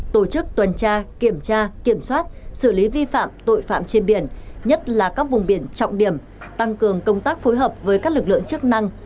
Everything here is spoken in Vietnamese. tổ chức tuần tra kiểm tra kiểm soát xử lý vi phạm tội phạm trên biển nhất là các vùng biển trọng điểm tăng cường công tác phối hợp với các lực lượng chức năng